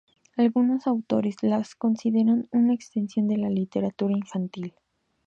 Algunos autores las consideran una extensión de la literatura infantil.